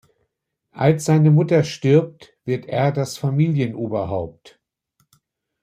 Als seine Mutter stirbt, wird er das Familienoberhaupt.